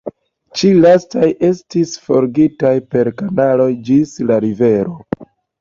Ĉi lastaj estis forigitaj per kanalo ĝis la rivero.